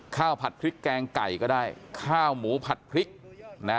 ผัดพริกแกงไก่ก็ได้ข้าวหมูผัดพริกนะ